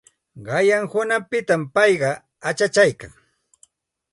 Qayna hunanpitam payqa achachaykan.